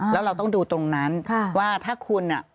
แล้วเราต้องดูตรงนั้นว่าถ้าคุณอ่ะ